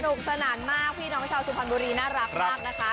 สนานมากพี่น้องชาวสุพรรณบุรีน่ารักมากนะคะ